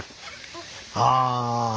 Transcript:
ああ。